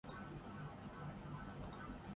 dope test مثبت انے پر احمد شہزاد کومعطل کردیاگیا